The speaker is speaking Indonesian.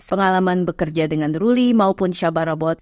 pengalaman bekerja dengan ruli maupun shabarabot